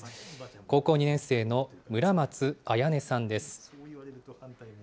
高校２年生の村松綾音さんです。